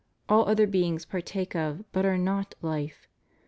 All other beings partake of, but are not, life.